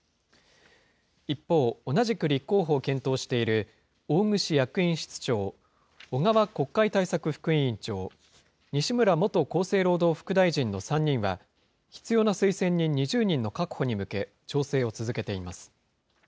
一方、同じく立候補を検討している大串役員室長、小川国会対策副委員長、西村元厚生労働副大臣の３人は、必要な推薦人２０人の確保に向け、調整を続けています。